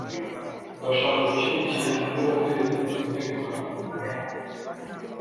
Ndashaka gushyira ikintu muri hoteri umutekano.